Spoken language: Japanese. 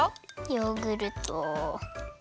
ヨーグルト。